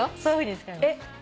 えっ？